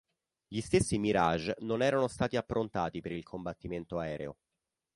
Gli stessi Mirage non erano stati approntati per il combattimento aereo.